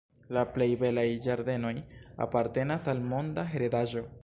La plej belaj ĝardenoj apartenas al Monda Heredaĵo.